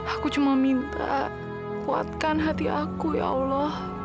aku cuma minta kuatkan hati aku ya allah